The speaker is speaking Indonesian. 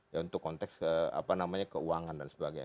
ya untuk konteks apa namanya keuangan dan sebagainya